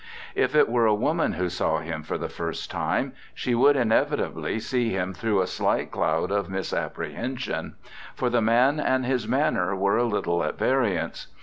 If it were a woman who saw him for the first time, she would inevitably see him through a slight cloud of misapprehension; for the man and his manner were a little at variance.